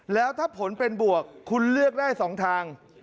แล้วถ้าผลเป็นบวกคุณเลือกได้๒ทาง